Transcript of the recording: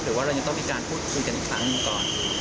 หรือว่าเรายังต้องมีการพูดคุยกันอีกครั้งหนึ่งก่อน